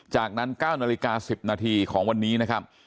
จากนั้น๙นาฬิกา๑๐นาทีของวันนี้นะครับ